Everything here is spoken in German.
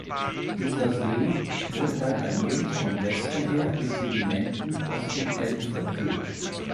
Dieser See wurde dann allmählich vom Westen her mit Sedimenten aus dem Elm verfüllt.